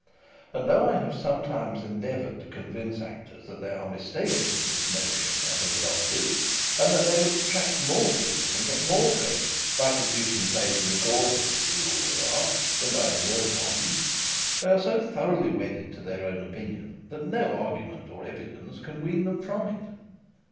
And though I have sometimes endeavoured to convince actors that they are mistaken in this notion they have adopted, and that they would attract more people, and get more credit, by producing plays in accordance with the rules of art, than by absurd ones, they are so thoroughly wedded to their own opinion that no argument or evidence can wean them from it.